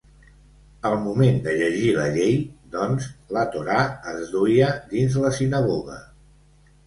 Al moment de llegir la Llei, doncs, la Torà es duia dins la sinagoga.